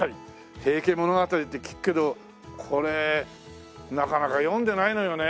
『平家物語』って聞くけどこれなかなか読んでないのよね。